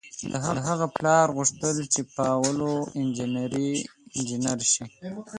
د هغه پلار غوښتل چې پاولو انجنیر شي.